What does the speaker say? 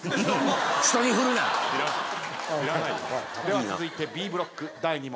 では続いてＢブロック第２問。